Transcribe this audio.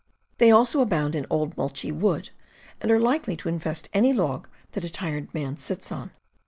They also abound in old mulchy wood, and are likely to infest any log that a tired man sits on.